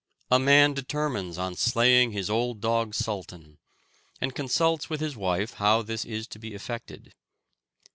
A man determines on slaying his old dog Sultan, and consults with his wife how this is to be effected.